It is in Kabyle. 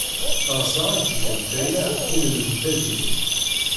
Ɣseɣ ad tgemt aya i lmendad-inu.